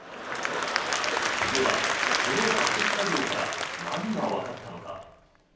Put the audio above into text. では、この発掘作業から何がわかったのか。